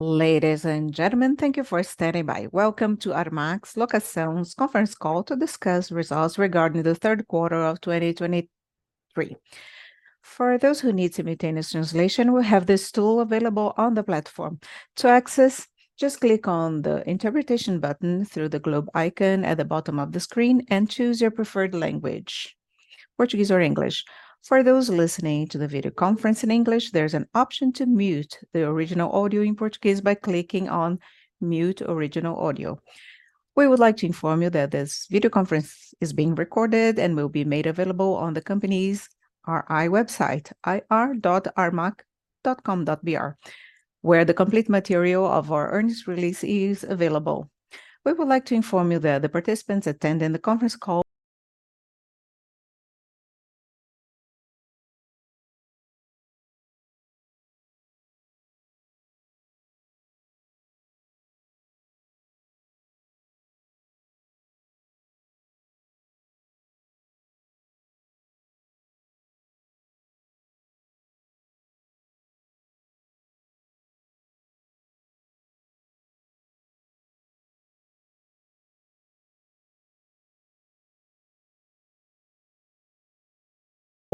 Ladies and gentlemen, thank you for standing by. Welcome to Armac Locação's conference call to discuss results regarding the Q3 of 2023. For those who need simultaneous translation, we have this tool available on the platform. To access, just click on the Interpretation button through the globe icon at the bottom of the screen and choose your preferred language, Portuguese or English. For those listening to the video conference in English, there's an option to mute the original audio in Portuguese by clicking on Mute Original Audio. We would like to inform you that this video conference is being recorded and will be made available on the company's RI website, ir.armac.com.br, where the complete material of our earnings release is available. We would like to inform you that the participants attending the conference call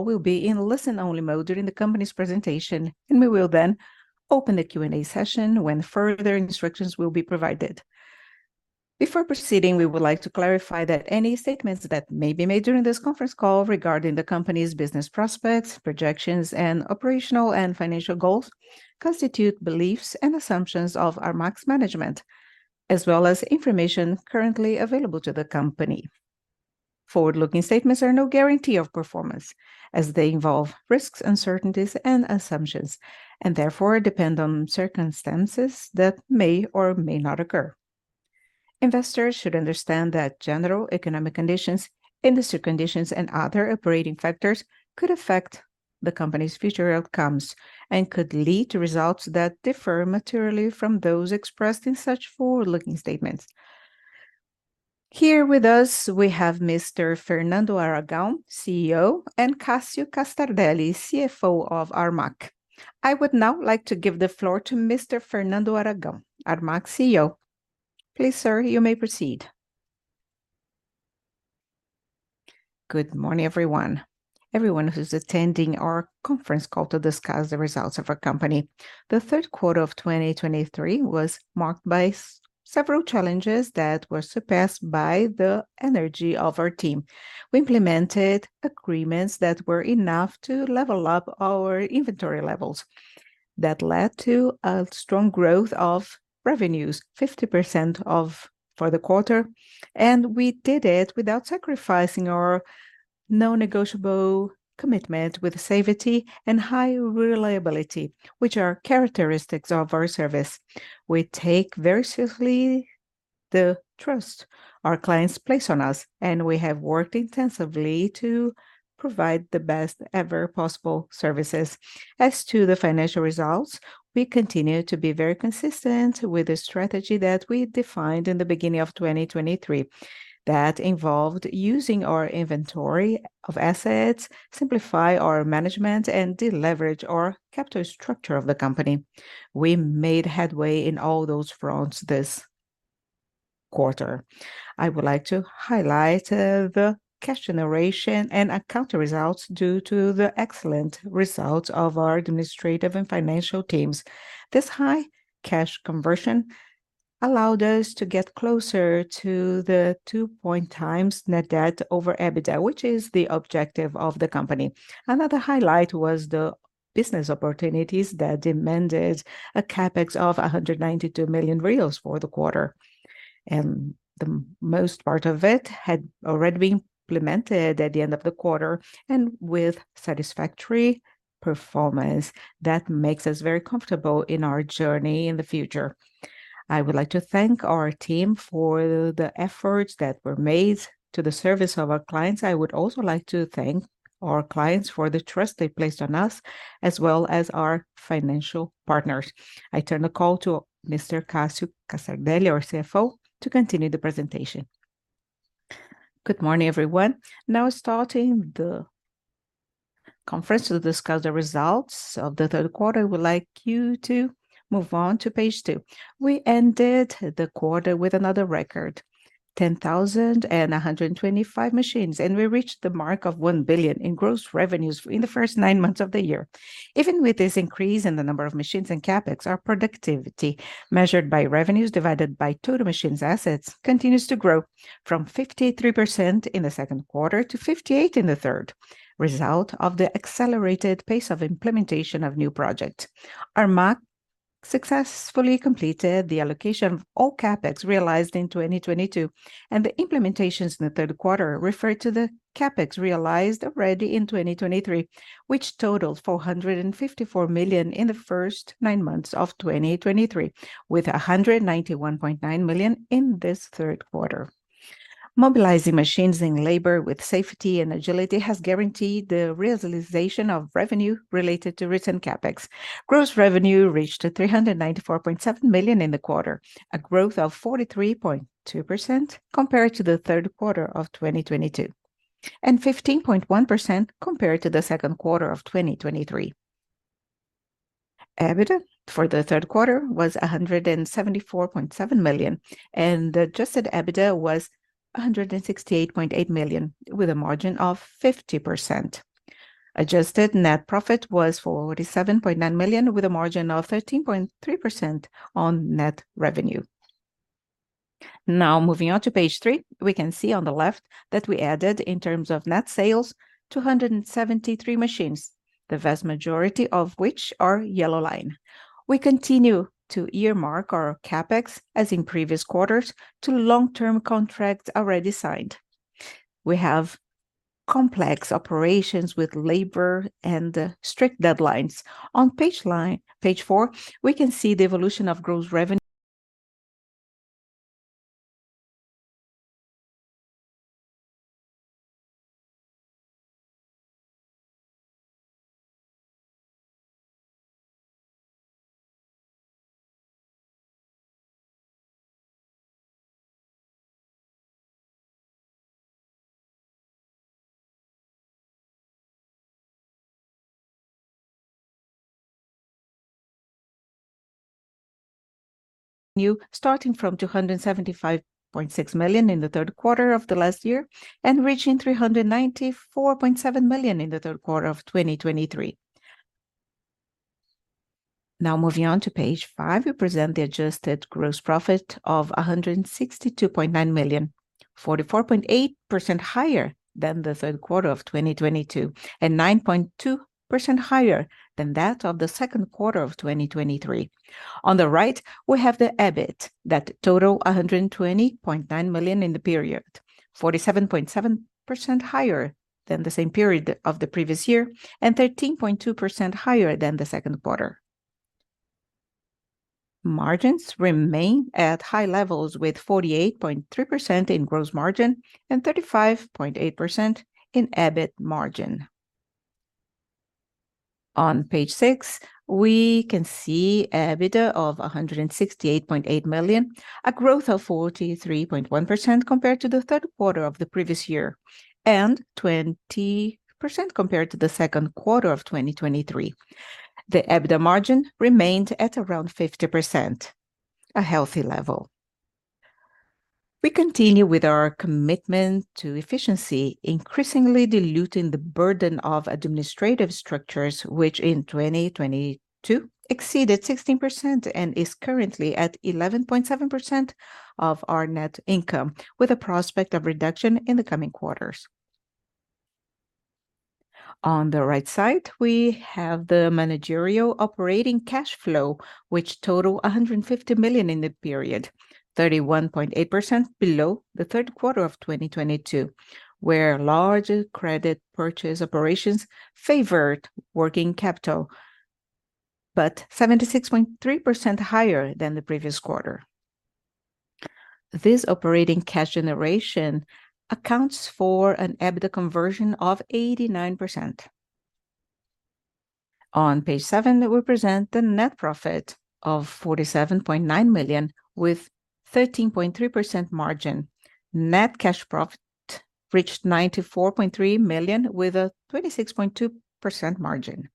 will be in listen-only mode during the company's presentation, and we will then open the Q&A session, when further instructions will be provided. Before proceeding, we would like to clarify that any statements that may be made during this conference call regarding the company's business prospects, projections, and operational and financial goals constitute beliefs and assumptions of Armac's management, as well as information currently available to the company. Forward-looking statements are no guarantee of performance, as they involve risks, uncertainties, and assumptions, and therefore depend on circumstances that may or may not occur. Investors should understand that general economic conditions, industry conditions, and other operating factors could affect the company's future outcomes and could lead to results that differ materially from those expressed in such forward-looking statements. Here with us, we have Mr. Fernando Aragão, CEO, and Cássio Castardelli, CFO of Armac. I would now like to give the floor to Mr. Fernando Aragão, Armac's CEO. Please, sir, you may proceed. Good morning, everyone, everyone who's attending our conference call to discuss the results of our company. The Q3 of 2023 was marked by several challenges that were surpassed by the energy of our team. We implemented agreements that were enough to level up our inventory levels. That led to a strong growth of revenues, 50% for the quarter, and we did it without sacrificing our non-negotiable commitment with safety and high reliability, which are characteristics of our service. We take very seriously the trust our clients place on us, and we have worked intensively to provide the best ever possible services. As to the financial results, we continue to be very consistent with the strategy that we defined in the beginning of 2023, that involved using our inventory of assets, simplify our management, and deleverage our capital structure of the company. We made headway in all those fronts this quarter. I would like to highlight the cash generation and accounting results due to the excellent results of our administrative and financial teams. This high cash conversion allowed us to get closer to the 2x net debt over EBITDA, which is the objective of the company. Another highlight was the business opportunities that demanded a CapEx of 192 million reais for the quarter, and the most part of it had already been implemented at the end of the quarter, and with satisfactory performance that makes us very comfortable in our journey in the future. I would like to thank our team for the efforts that were made to the service of our clients. I would also like to thank our clients for the trust they placed on us, as well as our financial partners. I turn the call to Mr. Cássio Castardelli, our CFO, to continue the presentation. Good morning, everyone. Now, starting the conference to discuss the results of the Q3, I would like you to move on to page two. We ended the quarter with another record, 10,125 machines, and we reached the mark of 1 billion in gross revenues in the first nine months of the year. Even with this increase in the number of machines and CapEx, our productivity, measured by revenues divided by total machines assets, continues to grow from 53% in the Q2 to 58% in the third, result of the accelerated pace of implementation of new project. Armac successfully completed the allocation of all CapEx realized in 2022, and the implementations in the Q3 referred to the CapEx realized already in 2023, which totaled 454 million in the first nine months of 2023, with 191.9 million in this Q3. Mobilizing machines and labor with safety and agility has guaranteed the realization of revenue related to recent CapEx. Gross revenue reached 394.7 million in the quarter, a growth of 43.2% compared to the Q3 of 2022. 15.1% compared to the Q2 of 2023. EBITDA for the Q3 was 174.7 million, and the adjusted EBITDA was 168.8 million, with a margin of 50%. Adjusted net profit was 47.9 million, with a margin of 13.3% on net revenue. Now, moving on to page three, we can see on the left that we added, in terms of net sales, 273 machines, the vast majority of which are Yellow Line. We continue to earmark our CapEx, as in previous quarters, to long-term contracts already signed. We have complex operations with labor and strict deadlines. On page four, we can see the evolution of gross revenue, starting from 275.6 million in the Q3 of the last year, and reaching 394.7 million in the Q3 of 2023. Now, moving on to page five, we present the adjusted gross profit of 162.9 million, 44.8% higher than the Q3 of 2022, and 9.2% higher than that of the Q2 of 2023. On the right, we have the EBIT that total 120.9 million in the period, 47.7% higher than the same period of the previous year, and 13.2% higher than the Q2. Margins remain at high levels, with 48.3% in gross margin and 35.8% in EBIT margin. On page six, we can see EBITDA of 168.8 million, a growth of 43.1% compared to the Q3 of the previous year, and 20% compared to the Q2 of 2023. The EBITDA margin remained at around 50%, a healthy level. We continue with our commitment to efficiency, increasingly diluting the burden of administrative structures, which in 2022 exceeded 16% and is currently at 11.7% of our net income, with a prospect of reduction in the coming quarters. On the right side, we have the managerial operating cash flow, which total 150 million in the period, 31.8% below the Q3 of 2022, where large credit purchase operations favored working capital, but 76.3% higher than the previous quarter. This operating cash generation accounts for an EBITDA conversion of 89%. On page seven, we present the net profit of 47.9 million, with 13.3% margin. Net cash profit reached 94.3 million, with a 26.2% margin.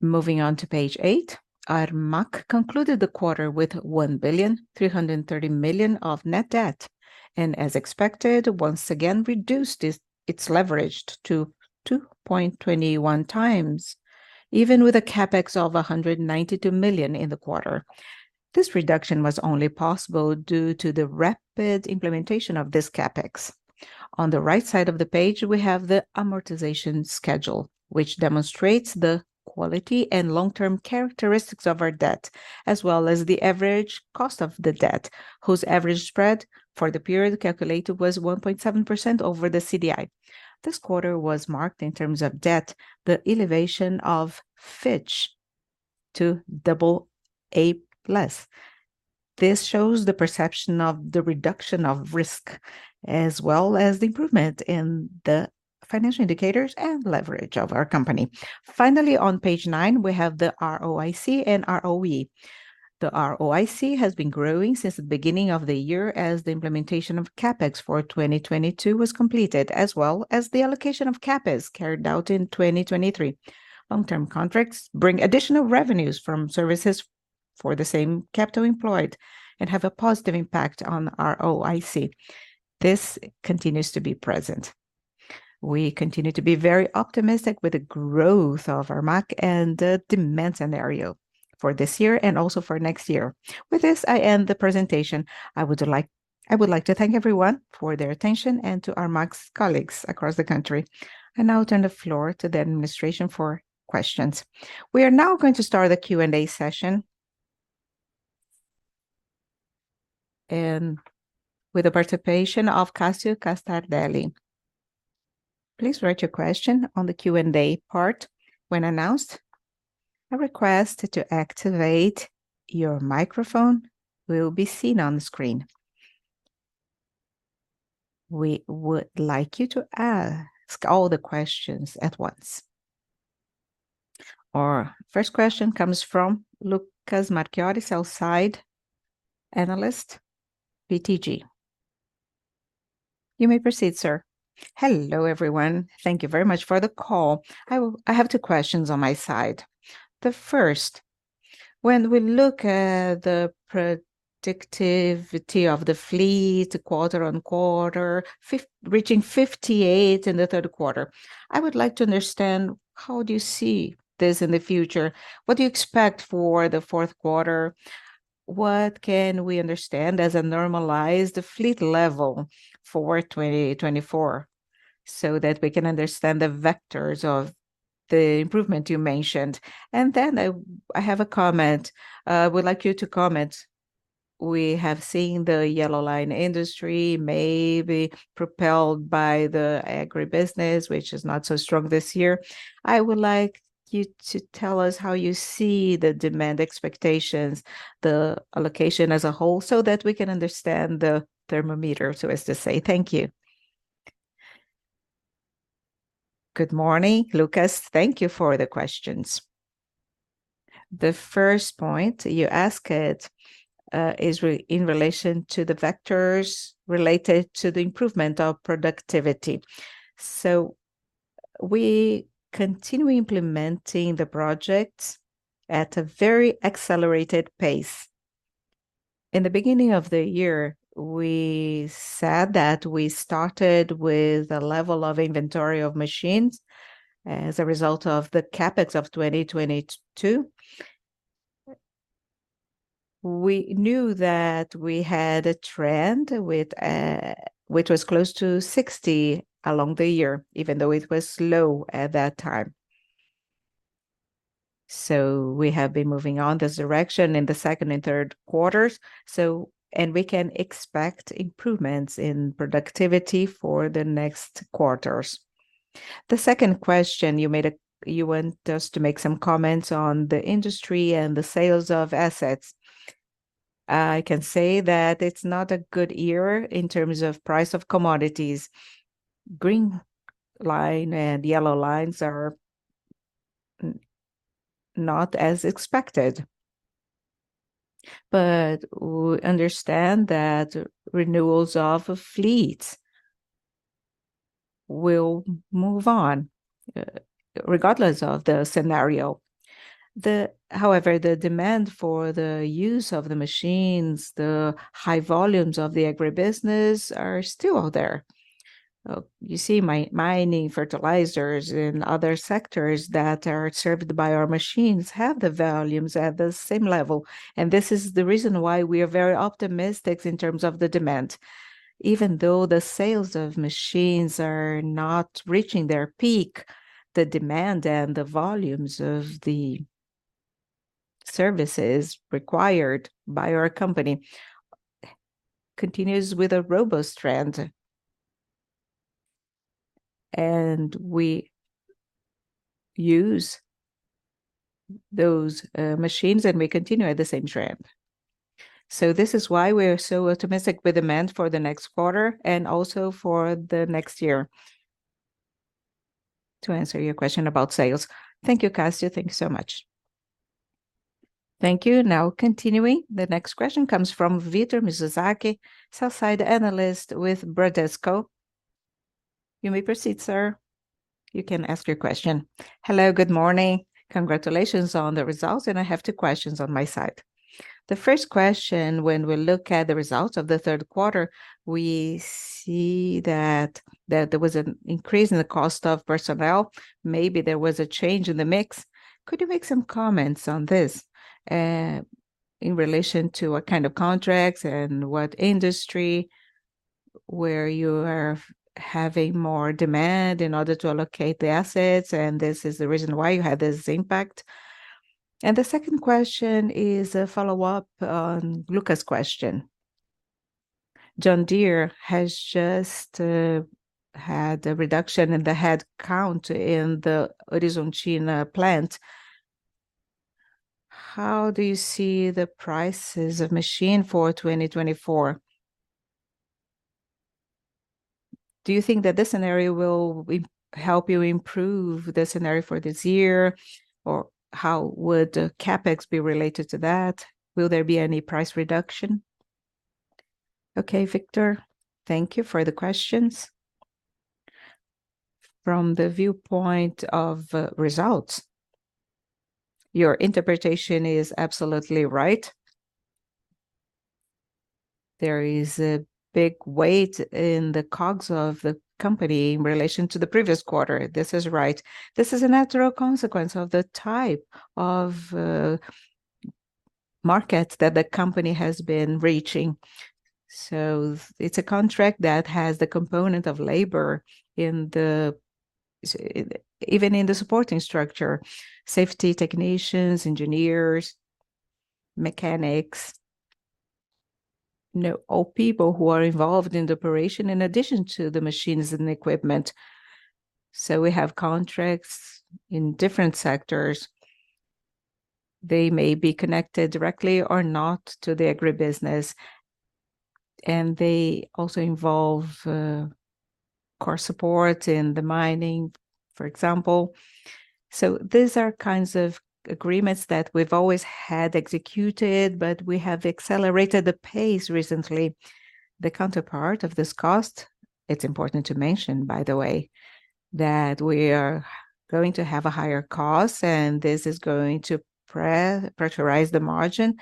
Moving on to page eight, Armac concluded the quarter with 1.33 billion of net debt, and, as expected, once again reduced its leverage to 2.21x, even with a CapEx of 192 million in the quarter. This reduction was only possible due to the rapid implementation of this CapEx. On the right side of the page, we have the amortization schedule, which demonstrates the quality and long-term characteristics of our debt, as well as the average cost of the debt, whose average spread for the period calculated was 1.7% over the CDI. This quarter was marked in terms of debt, the elevation of Fitch to AA+. This shows the perception of the reduction of risk, as well as the improvement in the financial indicators and leverage of our company. Finally, on page nine, we have the ROIC and ROE. The ROIC has been growing since the beginning of the year, as the implementation of CapEx for 2022 was completed, as well as the allocation of CapEx carried out in 2023. Long-term contracts bring additional revenues from services for the same capital employed and have a positive impact on ROIC. This continues to be present. We continue to be very optimistic with the growth of Armac and the demand scenario for this year and also for next year. With this, I end the presentation. I would like—I would like to thank everyone for their attention and to Armac's colleagues across the country. I now turn the floor to the administration for questions. We are now going to start the Q&A session, and with the participation of Cássio Castardelli. Please write your question on the Q&A part when announced. A request to activate your microphone will be seen on the screen. We would like you to ask all the questions at once. Our first question comes from Lucas Marquiori, Sell-Side Analyst, BTG. You may proceed, sir. Hello, everyone. Thank you very much for the call. I have two questions on my side. The first, when we look at the productivity of the fleet, quarter-on-quarter, reaching 58 in the Q3, I would like to understand, how do you see this in the future? What do you expect for the Q4? What can we understand as a normalized fleet level for 2024, so that we can understand the vectors of the improvement you mentioned? And then I have a comment, would like you to comment. We have seen the Yellow Line industry may be propelled by the Agribusiness, which is not so strong this year. I would like you to tell us how you see the demand expectations, the allocation as a whole, so that we can understand the thermometer, so as to say. Thank you. Good morning, Lucas. Thank you for the questions. The first point you asked is in relation to the vectors related to the improvement of productivity. We continue implementing the project at a very accelerated pace. In the beginning of the year, we said that we started with a level of inventory of machines as a result of the CapEx of 2022. We knew that we had a trend with which was close to 60 along the year, even though it was low at that time. We have been moving on this direction in the second and Q3, and we can expect improvements in productivity for the next quarters. The second question, you want us to make some comments on the industry and the sales of assets. I can say that it's not a good year in terms of price of commodities. Green Line and Yellow Lines are not as expected, but we understand that renewals of fleets will move on regardless of the scenario. However, the demand for the use of the machines, the high volumes of the Agribusiness are still there. You see, Mining, Fertilizers, and other sectors that are served by our machines have the volumes at the same level, and this is the reason why we are very optimistic in terms of the demand. Even though the sales of machines are not reaching their peak, the demand and the volumes of the services required by our company continues with a robust trend. And we use those machines, and we continue at the same trend. So this is why we're so optimistic with demand for the next quarter, and also for the next year, to answer your question about sales. Thank you, Cássio. Thank you so much. Thank you. Now, continuing, the next question comes from Victor Mizusaki, Sell-Side Analyst with Bradesco. You may proceed, sir. You can ask your question. Hello, good morning. Congratulations on the results, and I have two questions on my side. The first question, when we look at the results of the Q3, we see that there was an increase in the cost of personnel. Maybe there was a change in the mix. Could you make some comments on this in relation to what kind of contracts and what industry, where you are having more demand in order to allocate the assets, and this is the reason why you had this impact? And the second question is a follow-up on Lucas' question. John Deere has just had a reduction in the headcount in the Horizontina plant. How do you see the prices of machine for 2024? Do you think that this scenario will help you improve the scenario for this year, or how would the CapEx be related to that? Will there be any price reduction? Okay, Victor, thank you for the questions. From the viewpoint of results, your interpretation is absolutely right. There is a big weight in the COGS of the company in relation to the previous quarter. This is right. This is a natural consequence of the type of markets that the company has been reaching. So it's a contract that has the component of labor in the, even in the supporting structure: safety technicians, engineers, mechanics, you know, all people who are involved in the operation, in addition to the machines and equipment. So we have contracts in different sectors. They may be connected directly or not to the Agribusiness, and they also involve core support in the Mining, for example. So these are kinds of agreements that we've always had executed, but we have accelerated the pace recently. The counterpart of this cost, it's important to mention, by the way, that we are going to have a higher cost, and this is going to pre-pressurize the margin.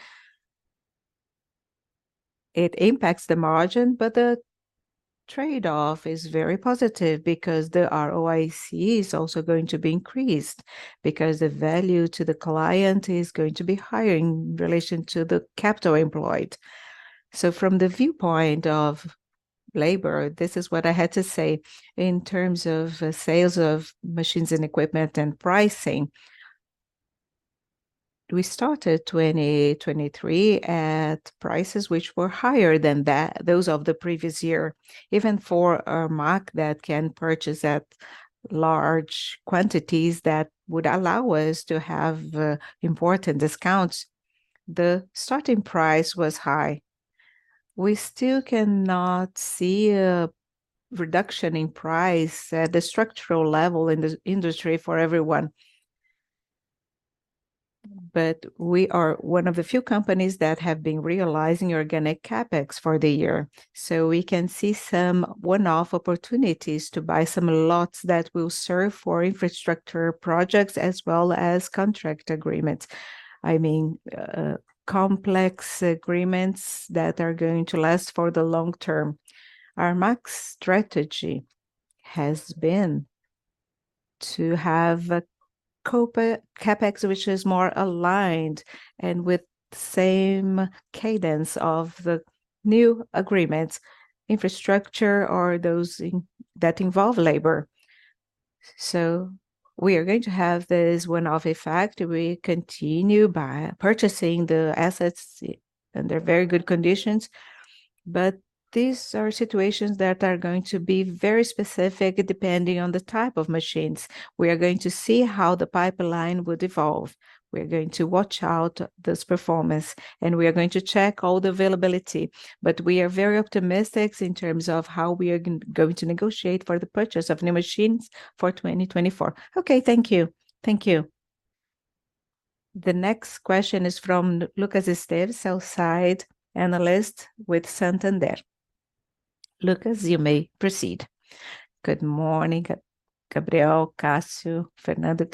It impacts the margin, but the trade-off is very positive because the ROIC is also going to be increased, because the value to the client is going to be higher in relation to the capital employed. So from the viewpoint of labor, this is what I had to say. In terms of sales of machines and equipment and pricing, we started 2023 at prices which were higher than that, those of the previous year. Even for Armac that can purchase at large quantities that would allow us to have important discounts, the starting price was high. We still cannot see a reduction in price at the structural level in the industry for everyone. But we are one of the few companies that have been realizing organic CapEx for the year, so we can see some one-off opportunities to buy some lots that will serve for infrastructure projects as well as contract agreements. I mean, complex agreements that are going to last for the long term. Armac's strategy has been to have a CapEx which is more aligned and with same cadence of the new agreements, infrastructure or those that involve labor. So we are going to have this one-off effect. We continue by purchasing the assets, and they're very good conditions. But these are situations that are going to be very specific, depending on the type of machines. We are going to see how the pipeline will evolve. We are going to watch out this performance, and we are going to check all the availability, but we are very optimistic in terms of how we are going to negotiate for the purchase of new machines for 2024. Okay, thank you. Thank you. The next question is from Lucas Esteves, Sell-Side Analyst with Santander. Lucas, you may proceed. Good morning, Gabriel, Cássio, Fernando.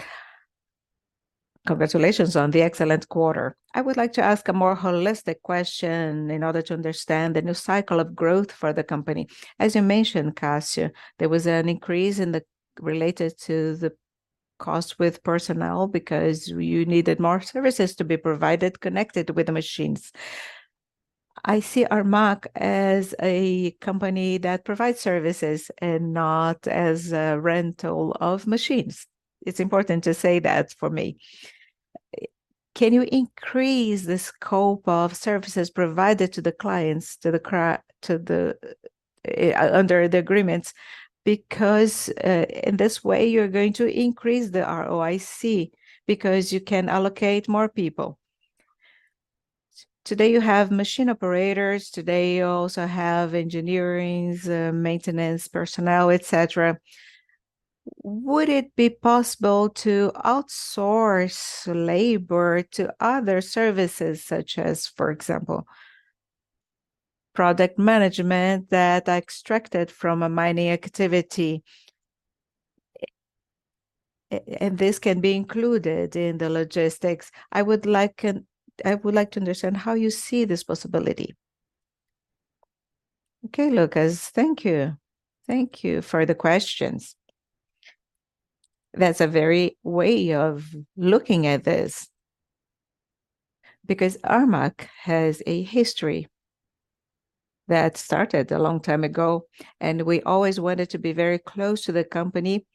Congratulations on the excellent quarter. I would like to ask a more holistic question in order to understand the new cycle of growth for the company. As you mentioned, Cássio, there was an increase in the... related to the cost with personnel because you needed more services to be provided, connected with the machines. I see Armac as a company that provides services and not as a rental of machines. It's important to say that for me. Can you increase the scope of services provided to the clients, to the under the agreements? Because in this way, you're going to increase the ROIC, because you can allocate more people. Today, you have machine operators. Today, you also have engineerings, maintenance personnel, et cetera. Would it be possible to outsource labor to other services, such as, for example, product management that are extracted from a mining activity? And this can be included in the logistics. I would like to understand how you see this possibility. Okay, Lucas, thank you. Thank you for the questions. That's a very way of looking at this, because Armac has a history that started a long time ago, and we always wanted to be very close to the company,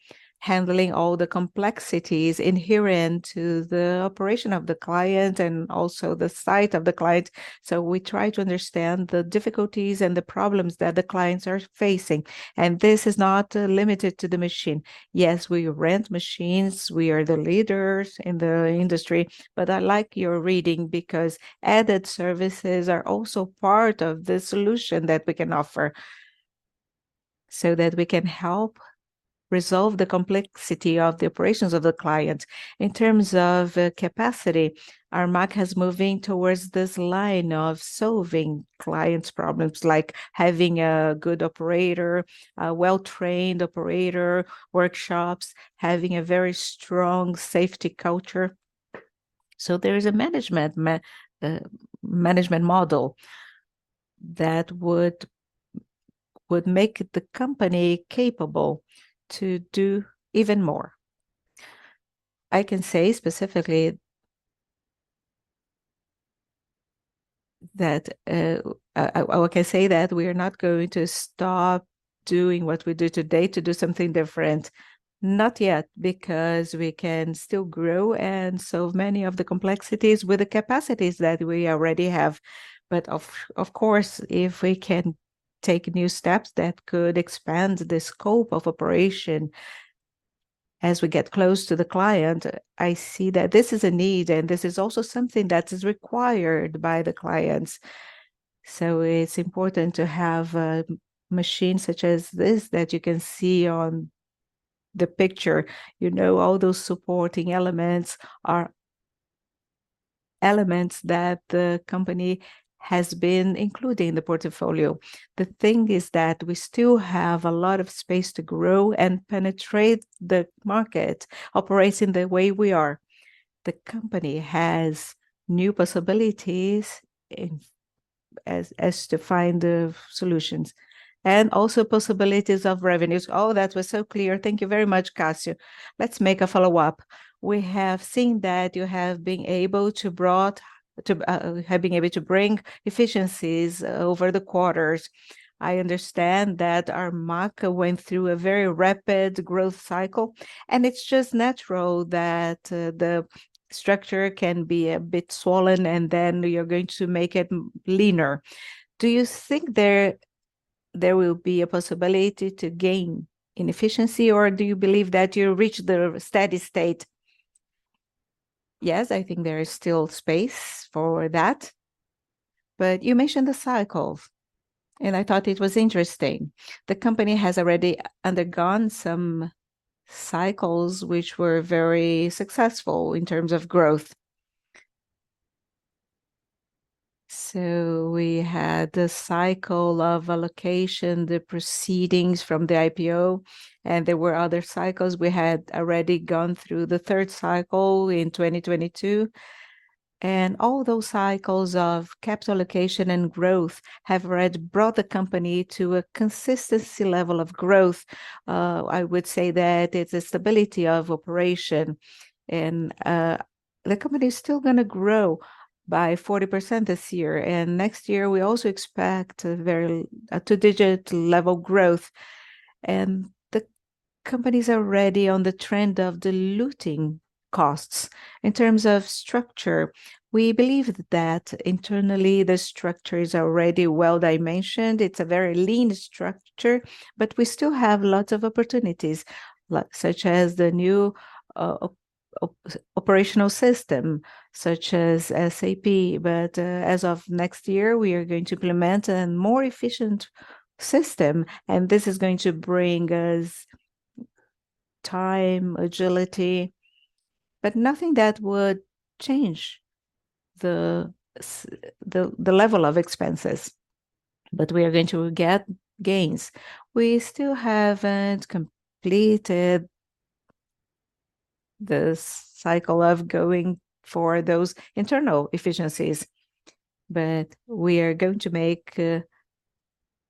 handling all the complexities inherent to the operation of the client and also the site of the client. So we try to understand the difficulties and the problems that the clients are facing, and this is not limited to the machine. Yes, we rent machines. We are the leaders in the industry, but I like your reading because added services are also part of the solution that we can offer, so that we can help resolve the complexity of the operations of the client. In terms of capacity, Armac has moving towards this line of solving clients' problems, like having a good operator, a well-trained operator, workshops, having a very strong safety culture. So there is a management model that would make the company capable to do even more. I can say specifically that I can say that we are not going to stop doing what we do today to do something different. Not yet, because we can still grow and solve many of the complexities with the capacities that we already have. But of course, if we can take new steps that could expand the scope of operation. As we get close to the client, I see that this is a need, and this is also something that is required by the clients. So it's important to have machines such as this that you can see on the picture. You know, all those supporting elements are elements that the company has been including in the portfolio. The thing is that we still have a lot of space to grow and penetrate the market, operating the way we are. The company has new possibilities to find the solutions, and also possibilities of revenues. Oh, that was so clear. Thank you very much, Cássio. Let's make a follow-up. We have seen that you have been able to bring efficiencies over the quarters. I understand that Armac went through a very rapid growth cycle, and it's just natural that the structure can be a bit swollen, and then you're going to make it leaner. Do you think there will be a possibility to gain in efficiency, or do you believe that you reached the steady state? Yes, I think there is still space for that. But you mentioned the cycles, and I thought it was interesting. The company has already undergone some cycles, which were very successful in terms of growth. So we had the cycle of allocation, the proceeds from the IPO, and there were other cycles. We had already gone through the third cycle in 2022, and all those cycles of capital allocation and growth have already brought the company to a consistency level of growth. I would say that it's a stability of operation, and the company is still gonna grow by 40% this year. And next year, we also expect a two-digit level growth, and the company's already on the trend of diluting costs. In terms of structure, we believe that internally, the structure is already well-dimensioned. It's a very lean structure, but we still have lots of opportunities, such as the new operational system, such as SAP. But as of next year, we are going to implement a more efficient system, and this is going to bring us time, agility, but nothing that would change the level of expenses, but we are going to get gains. We still haven't completed this cycle of going for those internal efficiencies, but we are going to make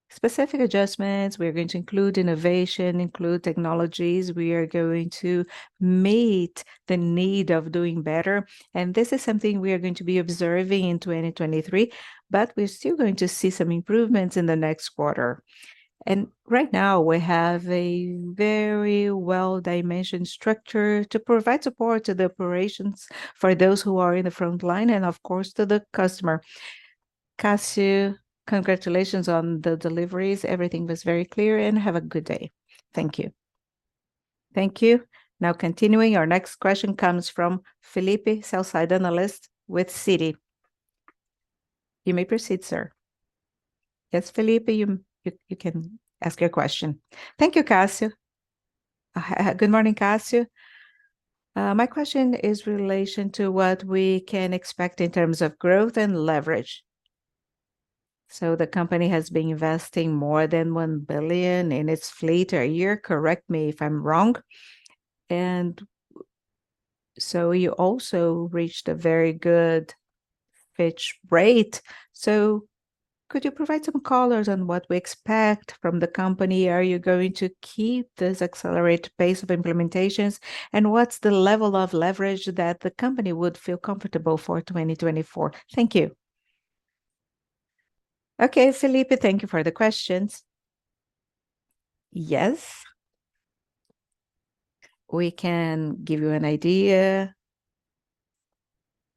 specific adjustments. We are going to include innovation, include technologies. We are going to meet the need of doing better, and this is something we are going to be observing in 2023, but we're still going to see some improvements in the next quarter. Right now, we have a very well-dimensioned structure to provide support to the operations for those who are in the front line and, of course, to the customer. Cássio, congratulations on the deliveries. Everything was very clear, and have a good day. Thank you. Thank you. Now, continuing, our next question comes from Felipe, Sell-Side Analyst with Citi. You may proceed, sir. Yes, Felipe, you can ask your question. Thank you, Cássio. Good morning, Cássio. My question is in relation to what we can expect in terms of growth and leverage. So the company has been investing more than $1 billion in its fleet a year, correct me if I'm wrong, and so you also reached a very good Fitch rate. So could you provide some colors on what we expect from the company? Are you going to keep this accelerated pace of implementations, and what's the level of leverage that the company would feel comfortable for 2024? Thank you. Okay, Felipe, thank you for the questions. Yes. We can give you an idea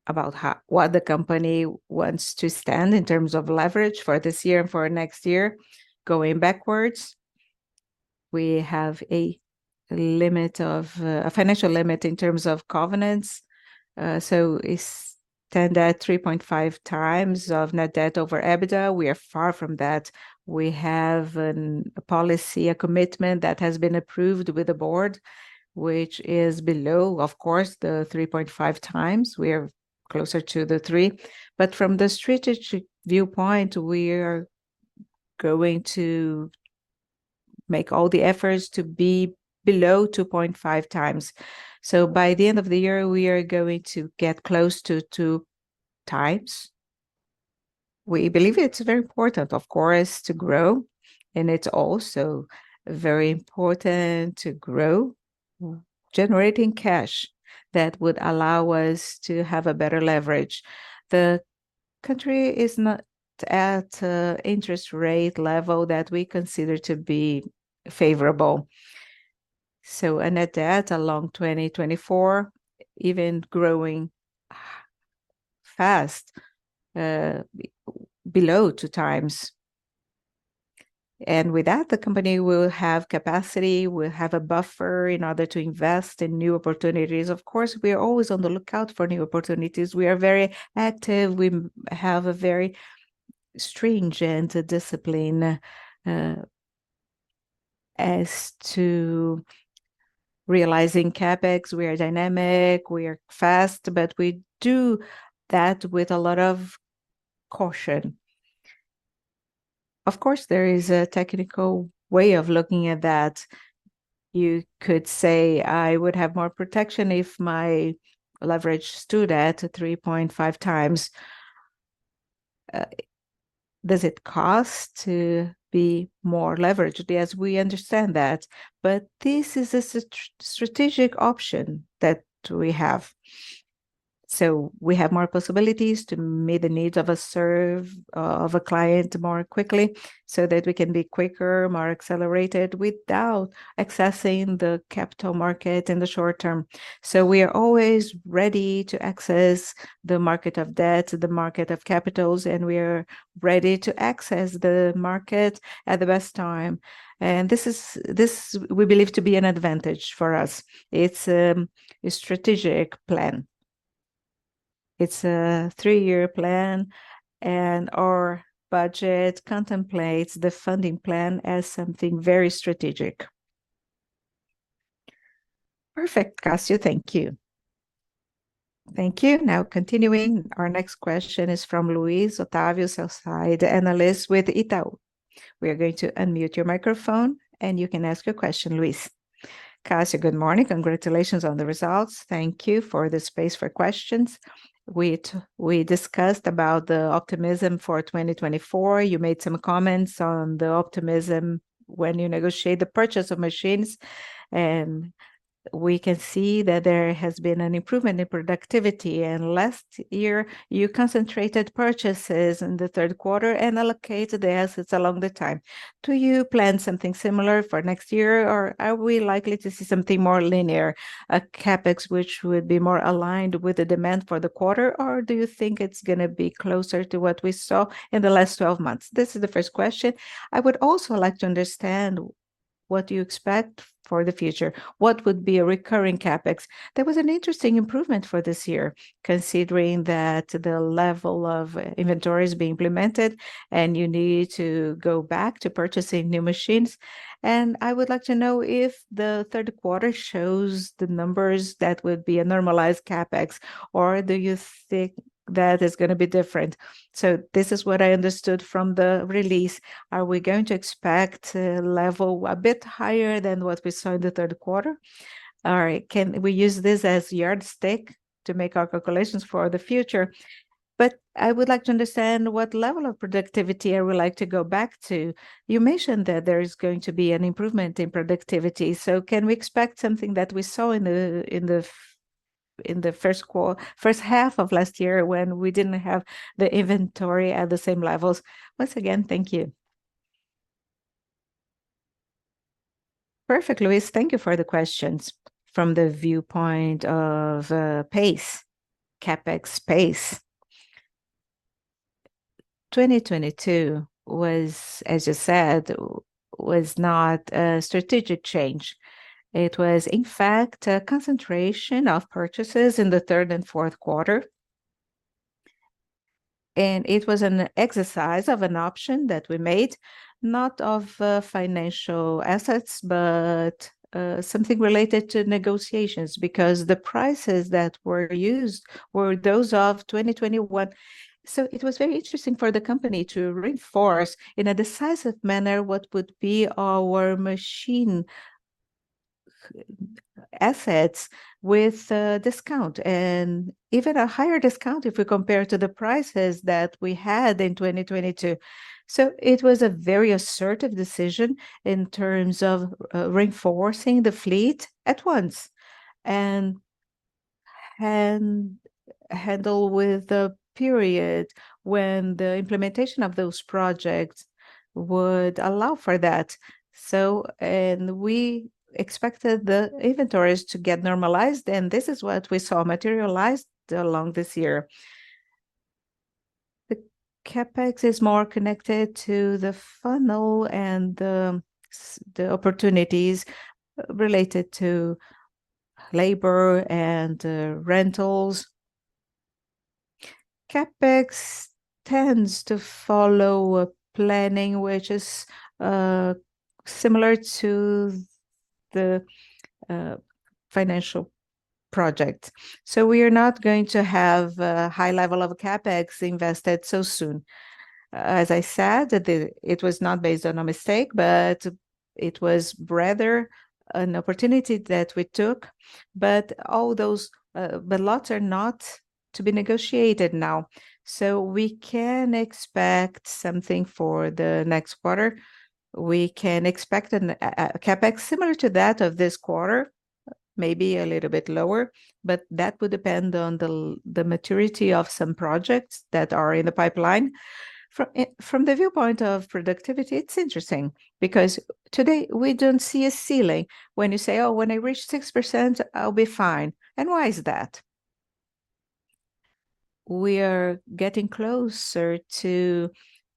about how... What the company wants to stand in terms of leverage for this year and for next year. Going backwards, we have a limit of, a financial limit in terms of covenants. So it's standard 3.5 times of Net Debt over EBITDA. We are far from that. We have an, a policy, a commitment that has been approved with the board, which is below, of course, the 3.5 times. We are closer to the 3. But from the strategic viewpoint, we are going to make all the efforts to be below 2.5 times. So by the end of the year, we are going to get close to 2 times. We believe it's very important, of course, to grow, and it's also very important to grow, generating cash that would allow us to have a better leverage. The country is not at an interest rate level that we consider to be favorable, so, and at that, along 2024, even growing fast, below 2x. And with that, the company will have capacity, will have a buffer in order to invest in new opportunities. Of course, we are always on the lookout for new opportunities. We are very active. We have a very stringent discipline as to realizing CapEx. We are dynamic, we are fast, but we do that with a lot of caution. Of course, there is a technical way of looking at that. You could say, "I would have more protection if my leverage stood at 3.5x." Does it cost to be more leveraged? Yes, we understand that, but this is a strategic option that we have. So we have more possibilities to meet the needs of a serve of a client more quickly, so that we can be quicker, more accelerated, without accessing the capital market in the short term. So we are always ready to access the market of debt, the market of capitals, and we are ready to access the market at the best time, and this is this we believe to be an advantage for us. It's a strategic plan. It's a three-year plan, and our budget contemplates the funding plan as something very strategic. Perfect, Cássio. Thank you. Thank you. Now continuing, our next question is from Luis Otávio, our Buy-Side Analyst with Itaú. We are going to unmute your microphone, and you can ask your question, Luís. Cássio, good morning. Congratulations on the results. Thank you for the space for questions. We—we discussed about the optimism for 2024. You made some comments on the optimism when you negotiate the purchase of machines, and we can see that there has been an improvement in productivity, and last year, you concentrated purchases in the Q3 and allocated the assets along the time. Do you plan something similar for next year, or are we likely to see something more linear, a CapEx which would be more aligned with the demand for the quarter, or do you think it's gonna be closer to what we saw in the last twelve months? This is the first question. I would also like to understand what you expect for the future. What would be a recurring CapEx? There was an interesting improvement for this year, considering that the level of inventory is being implemented and you need to go back to purchasing new machines, and I would like to know if the Q3 shows the numbers that would be a normalized CapEx, or do you think that is gonna be different? So this is what I understood from the release. Are we going to expect a level a bit higher than what we saw in the Q3? All right, can we use this as yardstick to make our calculations for the future? But I would like to understand what level of productivity I would like to go back to. You mentioned that there is going to be an improvement in productivity, so can we expect something that we saw in the H1 of last year, when we didn't have the inventory at the same levels? Once again, thank you. Perfect, Luís. Thank you for the questions. From the viewpoint of pace, CapEx pace, 2022 was, as you said, was not a strategic change. It was, in fact, a concentration of purchases in the Q3 and Q4, and it was an exercise of an option that we made, not of financial assets, but something related to negotiations, because the prices that were used were those of 2021. So it was very interesting for the company to reinforce, in a decisive manner, what would be our machine assets with a discount, and even a higher discount if we compare to the prices that we had in 2022. So it was a very assertive decision in terms of reinforcing the fleet at once, and handle with the period when the implementation of those projects would allow for that. And we expected the inventories to get normalized, and this is what we saw materialized along this year. The CapEx is more connected to the funnel and the opportunities related to labor and rentals. CapEx tends to follow a planning, which is similar to the financial project. So we are not going to have a high level of CapEx invested so soon. As I said, it was not based on a mistake, but it was rather an opportunity that we took. But all those but lots are not to be negotiated now, so we can expect something for the next quarter. We can expect a CapEx similar to that of this quarter, maybe a little bit lower, but that would depend on the maturity of some projects that are in the pipeline. From the viewpoint of productivity, it's interesting, because today we don't see a ceiling when you say, "Oh, when I reach 6%, I'll be fine." And why is that? We are getting closer to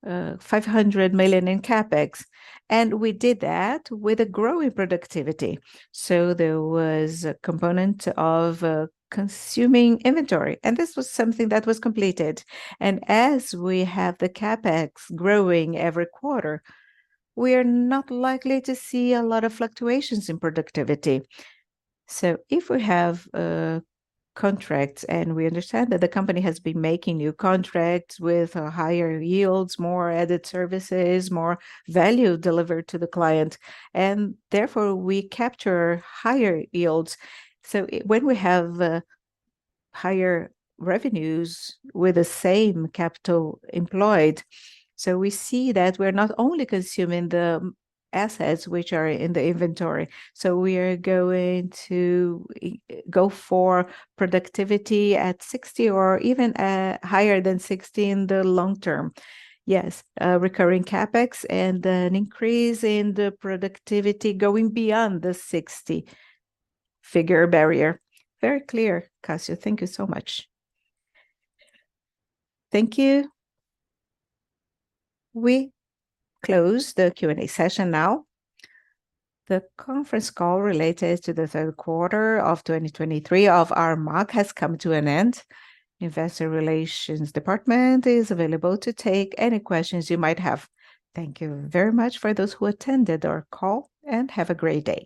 500 million in CapEx, and we did that with a growing productivity. So there was a component of consuming inventory, and this was something that was completed. And as we have the CapEx growing every quarter, we are not likely to see a lot of fluctuations in productivity. So if we have contracts, and we understand that the company has been making new contracts with higher yields, more added services, more value delivered to the client, and therefore, we capture higher yields. So when we have higher revenues with the same capital employed, so we see that we're not only consuming the assets which are in the inventory, so we are going to go for productivity at 60 or even higher than 60 in the long term. Yes, recurring CapEx and an increase in the productivity going beyond the 60 figure barrier. Very clear, Cássio. Thank you so much. Thank you. We close the Q&A session now. The conference call related to the Q3 of 2023 of Armac has come to an end. Investor relations department is available to take any questions you might have. Thank you very much for those who attended our call, and have a great day.